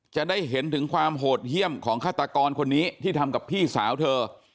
จะได้เห็นถึงความโหดเยี่ยมของฆาตกรคนนี้ที่ทำกับพี่สาวเธอ